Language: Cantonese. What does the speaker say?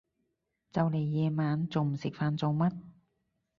就嚟夜晚，仲唔食飯做乜？